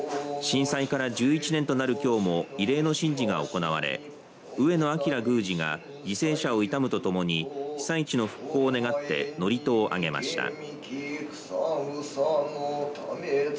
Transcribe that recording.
震災から１１年となる、きょうも慰霊の神事が行われ上野顯宮司が犠牲者を悼むとともに被災地の復興を願って祝詞をあげました。